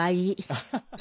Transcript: ハハハハ。